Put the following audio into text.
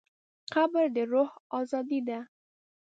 قبر د روح ازادي ده.